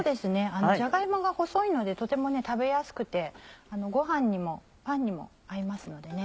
じゃが芋が細いのでとても食べやすくてご飯にもパンにも合いますのでね。